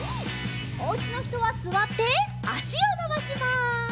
おうちのひとはすわってあしをのばします。